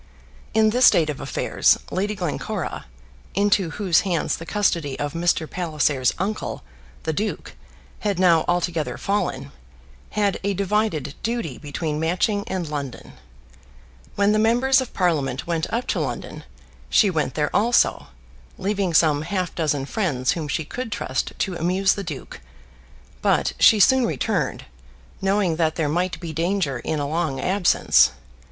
In this state of affairs Lady Glencora, into whose hands the custody of Mr. Palliser's uncle, the duke, had now altogether fallen, had a divided duty between Matching and London. When the members of Parliament went up to London, she went there also, leaving some half dozen friends whom she could trust to amuse the duke; but she soon returned, knowing that there might be danger in a long absence.